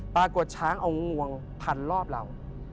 ปรากฏช้างเอางวงพันรอบเรา